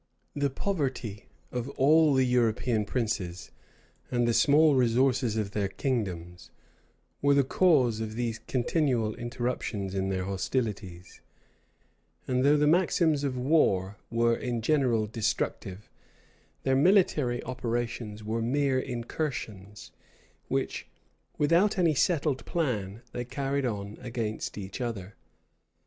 The poverty of all the European princes, and the small resources of their kingdoms, were the cause of these continual interruptions in their hostilities; and though the maxims of war were in general destructive, their military operations were mere incursions, which, without any settled plan, they carried on against each other.